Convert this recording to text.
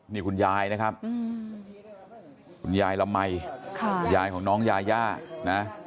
นี่คุณยายนะครับคุณยายละมัยยายของน้องยาย่านะ